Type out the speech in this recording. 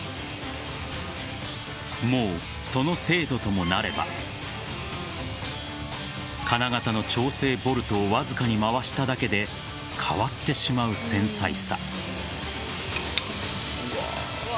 もう、その精度ともなれば金型の調整ボルトをわずかに回しただけで変わってしまう繊細さ。